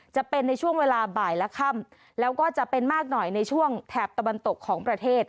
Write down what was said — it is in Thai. จะเป็นในช่วงเวลาบ่ายและค่ำแล้วก็จะเป็นมากหน่อยในช่วงแถบตะวันตกของประเทศ